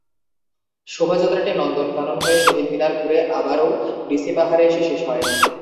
শোভাযাত্রাটি নন্দনকানন হয়ে শহীদ মিনার ঘুরে আবারও ডিসি পাহাড়ে এসে শেষ হয়।